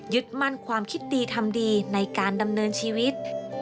มั่นความคิดดีทำดีในการดำเนินชีวิต